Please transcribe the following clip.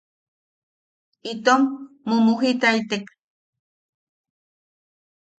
Itom mumujitaitek.